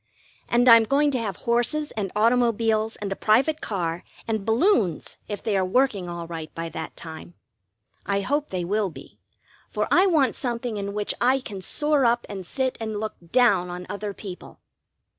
And I'm going to have horses and automobiles and a private car and balloons, if they are working all right by that time. I hope they will be, for I want something in which I can soar up and sit and look down on other people.